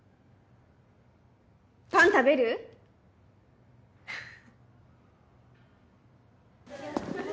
パン食べる？フフ。